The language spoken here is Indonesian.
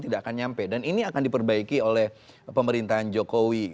tidak akan nyampe dan ini akan diperbaiki oleh pemerintahan jokowi